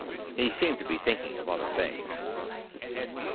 He seemed to be thinking of other things.